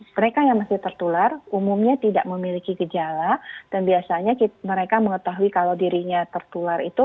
mereka yang masih tertular umumnya tidak memiliki gejala dan biasanya mereka mengetahui kalau dirinya tertular itu